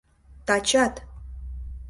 — Тачат!..